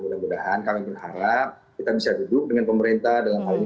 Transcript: mudah mudahan kami berharap kita bisa duduk dengan pemerintah dalam hal ini